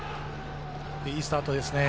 いいスタートですね。